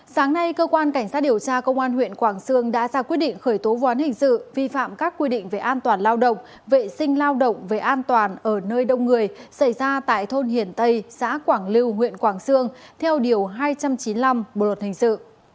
sáng nay cơ quan cảnh sát điều tra công an huyện quảng sương đã ra quyết định khởi tố vụ án hình sự vi phạm các quy định về an toàn lao động vệ sinh lao động về an toàn ở nơi đông người xảy ra tại thôn hiển tây xã quảng lưu huyện quảng sương theo điều hai trăm chín mươi năm bộ luật hình sự